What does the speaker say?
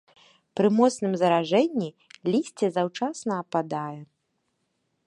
Пры моцным заражэнні лісце заўчасна ападае.